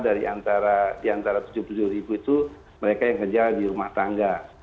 dari antara diantara tujuh puluh tujuh itu mereka yang kerja di rumah tangga